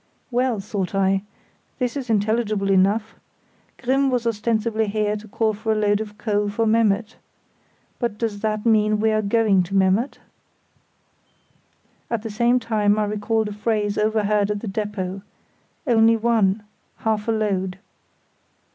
"Well," thought I, "this is intelligible enough. Grimm was ostensibly there to call for a load of coal for Memmert. But does that mean we are going to Memmert?" At the same time I recalled a phrase overheard at the depôt, "Only one—half a load."